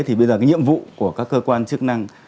thì bây giờ cái nhiệm vụ của các cơ quan chức năng